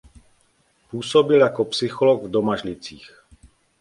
Působil jako psycholog v Domažlicích.